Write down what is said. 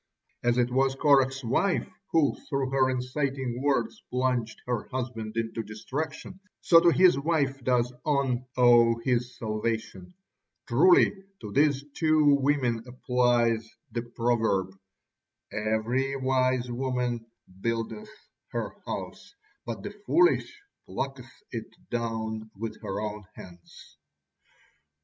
As it was Korah's wife who through her inciting words plunged her husband into destruction, so to his wife does On owe his salvation. Truly to these two women applies the proverb: "Every wise woman buildeth her house: but the foolish plucketh it down with her own hands."